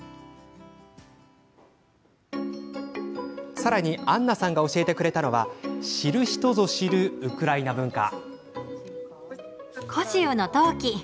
さらに、アンナさんが教えてくれたのは知る人ぞ知るウクライナ文化。